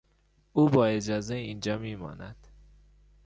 او با اجازه اینجا میماند.